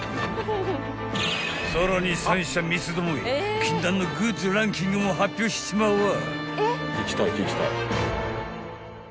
［さらに３社三つどもえ禁断のグッズランキングも発表しちまうわ］